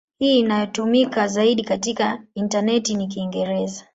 Hii inayotumika zaidi katika intaneti ni Kiingereza.